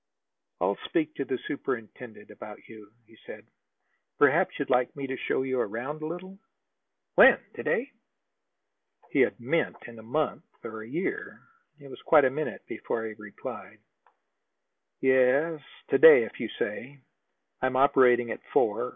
"I'll speak to the superintendent about you," he said. "Perhaps you'd like me to show you around a little." "When? To day?" He had meant in a month, or a year. It was quite a minute before he replied: "Yes, to day, if you say. I'm operating at four.